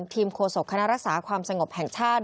โฆษกคณะรักษาความสงบแห่งชาติ